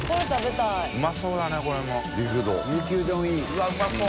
うわっうまそう！